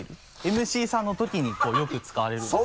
ＭＣさんの時によく使われるんです。